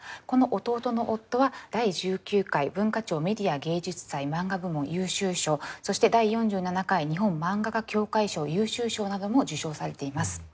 この「弟の夫」は第１９回文化庁メディア芸術祭マンガ部門優秀賞そして第４７回日本漫画家協会賞優秀賞なども受賞されています。